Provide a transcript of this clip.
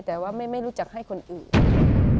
แต่ว่าไม่รู้จักให้คนอื่น